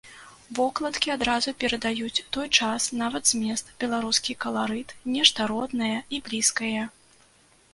Вокладкі адразу перадаюць той час, нават змест, беларускі каларыт, нешта роднае і блізкае.